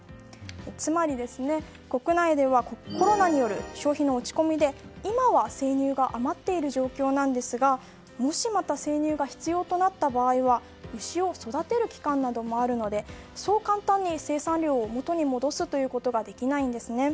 つまり、国内ではコロナによる消費の落ち込みで今は生乳が余っている状況なんですがもしまた生乳が必要となった場合は牛を育てる期間などもあるのでそう簡単に生産量を元に戻すということができないんですね。